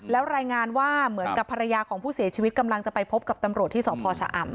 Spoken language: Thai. แล้วรายงานว่าเหมือนกับภรรยาของผู้เสียชีวิตกำลังจะไปพบกับตำรวจที่สพชะอำ